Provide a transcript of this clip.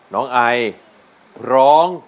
น้องไอร้อง